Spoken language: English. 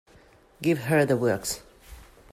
Give her the works.